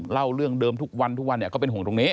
เล่าเรื่องเดิมทุกวันก็เป็นห่วงตรงนี้